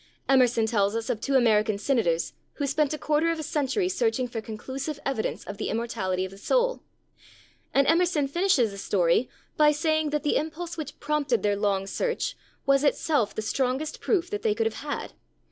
Emerson tells us of two American senators who spent a quarter of a century searching for conclusive evidence of the immortality of the soul. And Emerson finishes the story by saying that the impulse which prompted their long search was itself the strongest proof that they could have had.